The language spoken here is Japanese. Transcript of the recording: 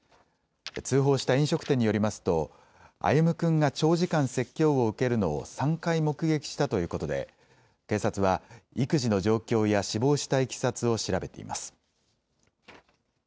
通報した飲食店によりますと歩夢君が長時間説教を受けるのを３回目撃したということで警察は育児の状況や死亡したいきさつを調べています。